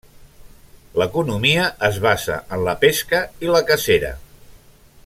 L'economia es basa en la pesca i la cacera.